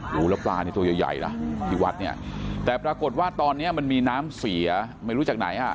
ดูแล้วปลานี่ตัวใหญ่นะที่วัดเนี่ยแต่ปรากฏว่าตอนนี้มันมีน้ำเสียไม่รู้จากไหนอ่ะ